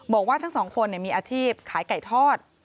บอกว่าทั้งสองคนมีอาชีพขายไก่ทอด